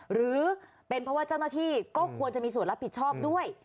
หรือเป็นเพราะว่าเจ้าหน้าที่ก็ควรจะมีส่วนรับผิดชอบด้วย